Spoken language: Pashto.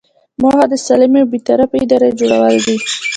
موخه د سالمې او بې طرفه ادارې جوړول دي.